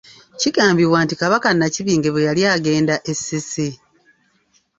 Kigambibwa nti Kabaka Nnakibinge bwe yali agenda e Ssese .